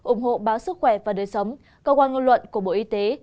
ủng hộ báo sức khỏe và đời sống cơ quan ngôn luận của bộ y tế